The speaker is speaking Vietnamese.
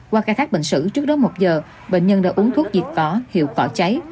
qua khai thác bệnh sử trước đó một giờ bệnh nhân đã uống thuốc diệt cỏ hiệu quả cháy